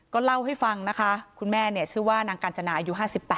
ก็เล่าให้ฟังนะคะคุณแม่ชื่อว่านางกาญจนาอายุ๕๘